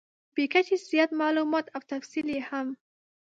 بې کچې زیات مالومات او تفصیل یې هم .